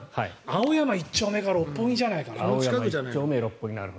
青山１丁目か六本木じゃないかな。